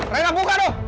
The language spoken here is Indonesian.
renan buka dong